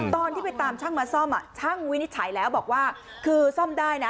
ตอนที่ไปตามช่างมาซ่อมช่างวินิจฉัยแล้วบอกว่าคือซ่อมได้นะ